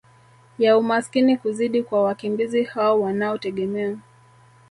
ya umaskini kuzidi kwa wakimbizi hao wanaotegemea